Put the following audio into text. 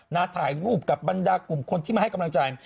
ถ่ายรูปกับบรรดากลุ่มคนที่มาให้กำลังใจ